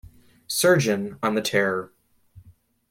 Surgeon on the Terror.